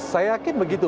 saya yakin begitu